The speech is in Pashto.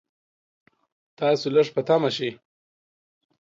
تاسو لږ په طمعه شئ.